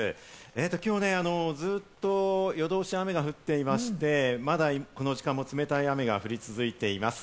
きょうずっと夜通し雨が降っていまして、まだこの時間も冷たい雨が降り続いています。